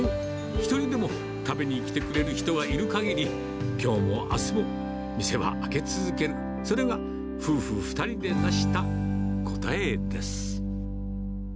一人でも食べに来てくれる人がいるかぎり、きょうもあすも店は開け続ける、それが夫婦２人で出した答えです。